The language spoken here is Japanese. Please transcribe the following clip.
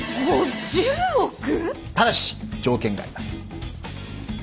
ただし条件があります。